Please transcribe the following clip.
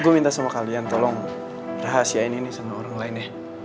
gue minta sama kalian tolong rahasiain ini sama orang lain ya